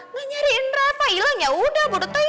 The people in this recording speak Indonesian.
gak nyariin reva ilang yaudah bodo taing